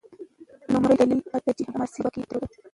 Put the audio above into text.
لومړی دلیل دا دی چې حماسي سبک یې درلود.